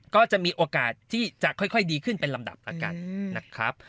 ก็จะมีโอกาสที่จะค่อยดีขึ้นเป็นลำดับประกันนะครับ